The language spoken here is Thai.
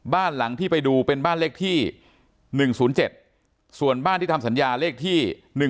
บ้านหลังที่ไปดูเป็นบ้านเลขที่๑๐๗ส่วนบ้านที่ทำสัญญาเลขที่๑๒